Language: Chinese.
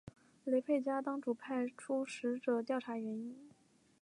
雷沛家当主派出使者调查原因。